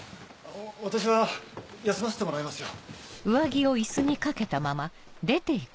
私は休ませてもらいますよ。